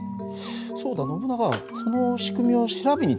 そうだノブナガその仕組みを調べに行ったらどうだい？